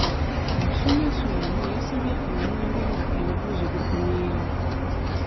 Omusomesa omu yasabye omwenge nga ebibuuzo bikomyewo.